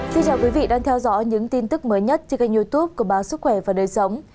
xin chào quý vị đang theo dõi những tin tức mới nhất trên kênh youtube của báo sức khỏe và đời sống